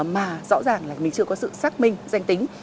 mà rõ ràng là mình chưa có sự xác minh danh tính